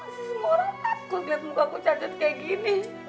ntar pasti semua orang takut liat muka aku cacat kayak gini